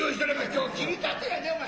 今日切り立てやでお前。